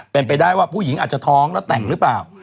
เป็นไปได้ว่าผู้หญิงอาจจะท้องแล้วแต่งหรือเปล่า